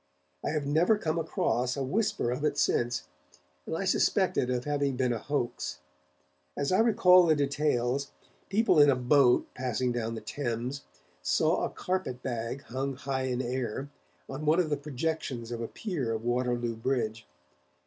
I have never come across a whisper of it since, and I suspect it of having been a hoax. As I recall the details, people in a boat, passing down the Thames, saw a carpet bag hung high in air, on one of the projections of a pier of Waterloo Bridge.